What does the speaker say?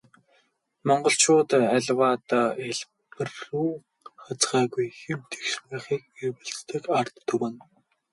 Монголчууд аливаад хэлбэрүү хазгайгүй, хэм тэгш байхыг эрхэмлэдэг ард түмэн.